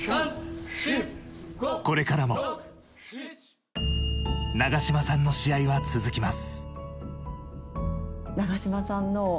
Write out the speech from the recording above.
これからも長嶋さんの試合は続きます。